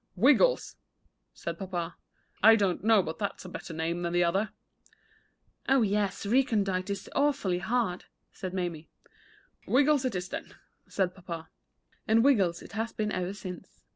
"Wiggles!" said papa; "I don't know but that's a better name than the other." "Oh yes; re con dite is awful hard," said Mamie. "Wiggles it is, then," said papa. And "wiggles" it has been ever since.